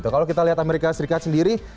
kalau kita lihat amerika serikat sendiri